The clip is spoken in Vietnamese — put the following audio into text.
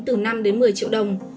từ năm đến một mươi triệu đồng